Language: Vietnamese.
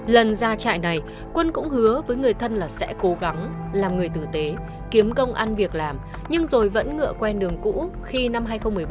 lần ra trại này quân cũng hứa với người thân là sẽ cố gắng làm người tử tế kiếm công ăn việc làm nhưng rồi vẫn ngựa quen đường cũ khi năm hai nghìn một mươi bốn